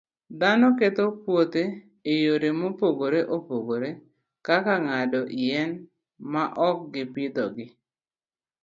Dhano ketho puothe e yore mopogore opogore, kaka ng'ado yien maok gipidhogi.